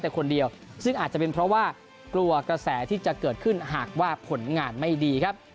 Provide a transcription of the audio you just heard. แต่คนเดียวซึ่งอาจจะเป็นเพราะว่ากลัวกระแสที่จะเกิดขึ้นหากว่าผลงานไม่ดีครับ